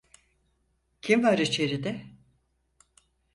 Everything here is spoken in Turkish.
Kim var içeride?